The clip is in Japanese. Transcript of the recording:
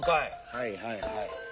はいはいはい。